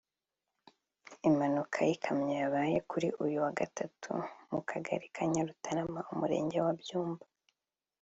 Impanuka y’ikamyo yabaye kuri uyu wa Gatatu mu Kagali ka Nyarutarama Umurenge wa Byumba